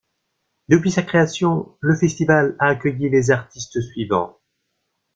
Depuis sa création, le festival a accueilli les artistes suivants.